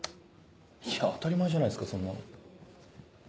いや当たり前じゃないすかそんなの。